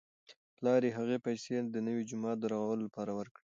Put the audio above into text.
پلار یې هغه پیسې د نوي جومات د رغولو لپاره ورکړې.